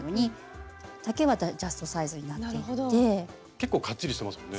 結構かっちりしてますよね。